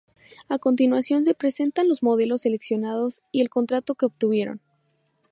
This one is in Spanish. A continuación, se presentan los modelos seleccionados y el contrato que obtuvieron.